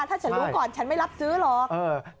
ถ้าฉันรู้ก่อนฉันไม่รับซื้อหรอก